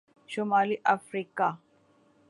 شمالی افریقہ